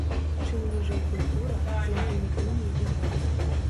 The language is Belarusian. Чым ніжэй культура, тым прымітыўней і мова.